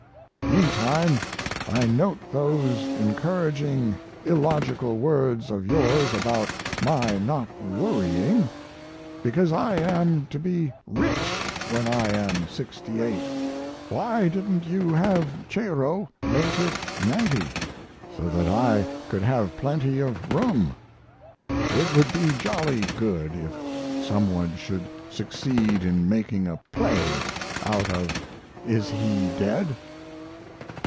Meantime, I note those encouraging illogical words of yours about my not worrying because I am to be rich when I am 68; why didn't you have Cheiro make it 90, so that I could have plenty of room? It would be jolly good if some one should succeed in making a play out of "Is He Dead?"